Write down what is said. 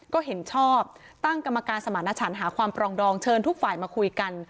ก็เห็นชอบตั้งกรรมการสมารณชันหาความปรองดองเชิญทุกฝ่ายมาคุยกัน